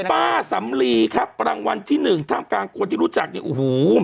คุณพ่าศำรีครับรางวัลที่๑ทางการคนที่รู้จักแบบโอ้โห